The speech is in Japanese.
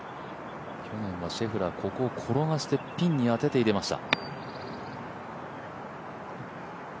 去年はシェフラー、ここを転がしてピンに当てて入れました。